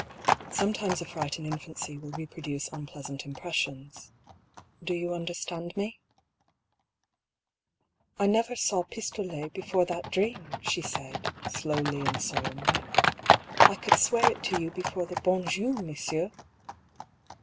"Sometimes a fright in infancy will re produce unpleasant impressions. ... Do you under stand me ?"" I never saw pistolets before that dream," she said, slowly and solemnly. " I could swear it to you before the hon Dieu, monsieur